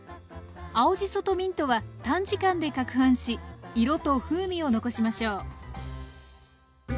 青じそとミントは短時間でかくはんし色と風味を残しましょう。